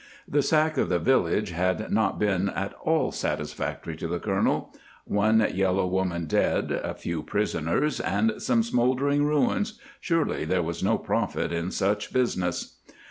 The sack of the village had not been at all satisfactory to the colonel; one yellow woman dead, a few prisoners, and some smoldering ruins surely there was no profit in such business.